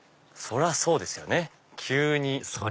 そりゃそうですよ